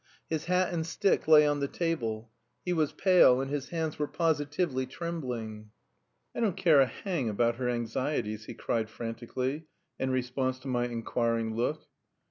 His hat and stick lay on the table. He was pale, and his hands were positively trembling. "I don't care a hang about her anxieties," he cried frantically, in response to my inquiring look.